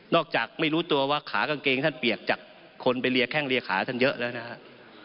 จากไม่รู้ตัวว่าขากางเกงท่านเปียกจากคนไปเรียกแข้งเรียกขาท่านเยอะแล้วนะครับ